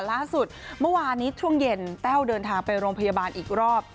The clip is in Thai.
ล่าสุดเมื่อวานนี้ช่วงเย็นแต้วเดินทางไปโรงพยาบาลอีกรอบ